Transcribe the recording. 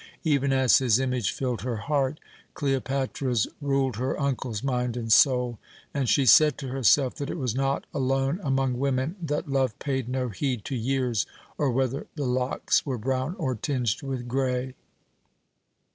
Even as his image filled her heart, Cleopatra's ruled her uncle's mind and soul, and she said to herself that it was not alone among women that love paid no heed to years, or whether the locks were brown or tinged with grey.